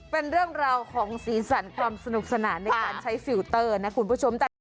เป็นเรื่องราวของสีสันความสนุกสนานในการใช้ฟิลเตอร์นะคุณผู้ชม